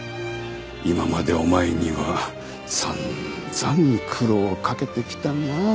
今までお前には散々苦労をかけてきたなあ